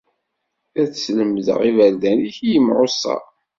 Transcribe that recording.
Ad slemdeɣ iberdan-ik i yimεuṣa.